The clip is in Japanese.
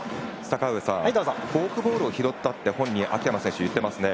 フォークボールを拾ったと秋山本人言ってますね。